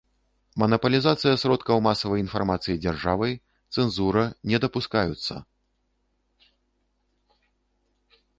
Манапалізацыя сродкаў масавай інфармацыі дзяржавай, цэнзура не дапускаюцца.